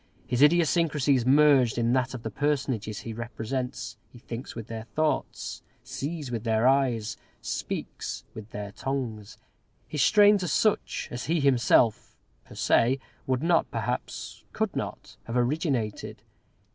His idiosyncrasy is merged in that of the personages he represents. He thinks with their thoughts, sees with their eyes, speaks with their tongues. His strains are such as he himself per se would not, perhaps could not, have originated.